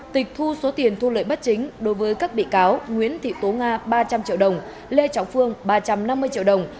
tịch thu số tiền thu lợi bất chính đối với các bị cáo nguyễn thị tố nga ba trăm linh triệu đồng lê trọng phương ba trăm năm mươi triệu đồng